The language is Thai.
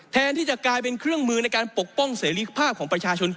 แทนที่จะกลายเป็นเครื่องมือในการปกป้องเสรีภาพของประชาชน